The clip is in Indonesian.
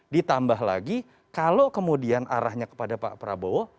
ditambah lagi kalau kemudian arahnya kepada pak prabowo